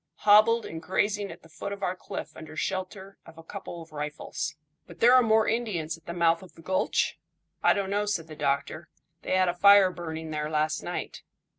"Hobbled, and grazing at the foot of our cliff under shelter of a couple of rifles." "But there are more Indians at the mouth of the gulch?" "I don't know," said the doctor. "They had a fire burning there last night."